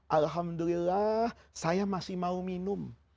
alhamdulillah saya masih mau minum